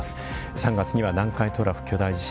３月には、南海トラフ巨大地震。